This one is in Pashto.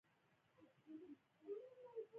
شتمن هغه دی چې له مال سره عقل هم لري.